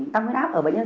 tăng huyết áp ở bệnh nhân